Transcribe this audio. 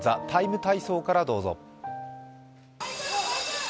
「ＴＨＥＴＩＭＥ，体操」からどうぞ。